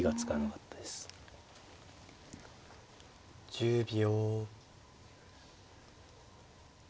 １０秒。